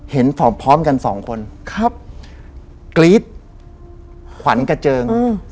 เห็นพร้อมพร้อมกันสองคนครับกรี๊ดขวันกระเจิงอืม